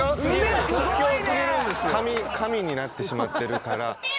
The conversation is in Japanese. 神になってしまってるから。